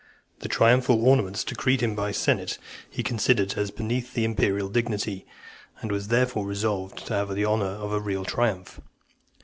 The triumphal ornaments decreed him by the senate, he considered as beneath the imperial dignity, and was therefore resolved to have the honour of a real triumph.